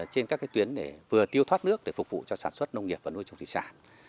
trên các tuyến để vừa tiêu thoát nước để phục vụ cho sản xuất nông nghiệp và nuôi trồng thủy sản